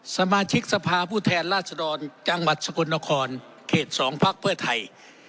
สมาชิกสภาผู้แทนราชดรจังหวัดสกลนครเขต๒พักเพื่อไทย